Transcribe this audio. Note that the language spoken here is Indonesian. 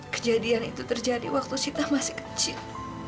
kejadian itu terjadi waktu sita masih kecil